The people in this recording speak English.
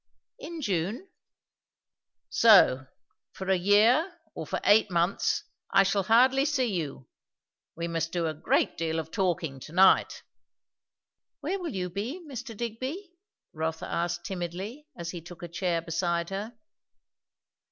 "In June." "So, for a year, or for eight months, I shall hardly see you. We must do a great deal of talking to night." "Where will you be, Mr. Digby?" Rotha asked timidly, as he took a chair beside her.